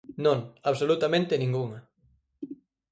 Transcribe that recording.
Non, absolutamente ningunha.